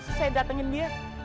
sih saya datengin dia